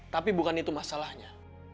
tapi bukan itu masalahnya